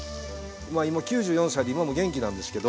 今９４歳で今も元気なんですけど。